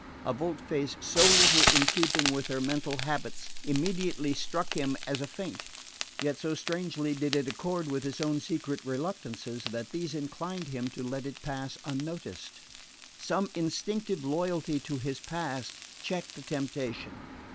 A volte face so little in keeping with her mental habits immediately struck him as a feint; yet so strangely did it accord with his own secret reluctances that these inclined him to let it pass unquestioned. Some instinctive loyalty to his past checked the temptation.